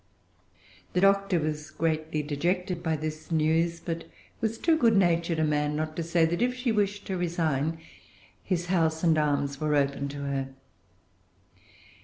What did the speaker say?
The Doctor was greatly dejected by this news; but was too good natured a man not to say that, if she wished to resign, his house and arms were open to her.